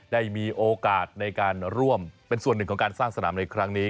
ได้มีโอกาสในการร่วมเป็นส่วนหนึ่งของการสร้างสนามในครั้งนี้